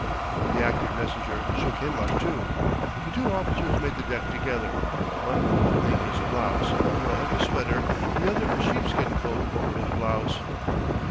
The active messenger shook him up too. The two officers made the deck together, one buttoning his blouse over a heavy sweater, the other a sheepskin coat over his blouse.